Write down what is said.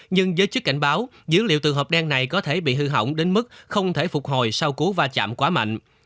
nhưng giới chức cảnh báo dữ liệu trường hợp đen này có thể bị hư hỏng đến mức không thể phục hồi sau cú va chạm quá mạnh